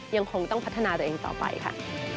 ยังคงต้องพัฒนาตัวเองต่อไปค่ะ